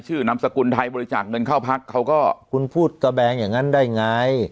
นามสกุลไทยบริจาคเงินเข้าพักเขาก็คุณพูดตะแบงอย่างนั้นได้ไง